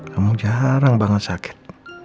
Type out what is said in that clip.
kamu jarang banget sakit